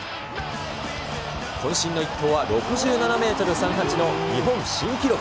こん身の一投は６７メートル３８の日本新記録。